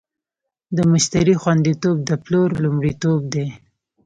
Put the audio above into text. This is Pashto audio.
د مشتری خوندیتوب د پلور لومړیتوب دی.